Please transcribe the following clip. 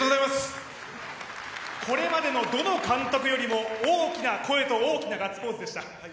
これまでのどの監督よりも大きな声と大きなガッツポーズでした。